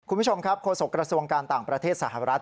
คุณผู้ชมครับโฆษกระทรวงการต่างประเทศสหรัฐ